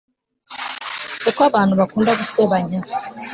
kuko abantu bakunda gusebanya